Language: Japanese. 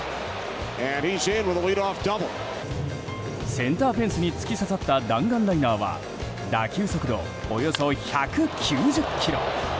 センターフェンスに突き刺さった弾丸ライナーは打球速度およそ１９０キロ！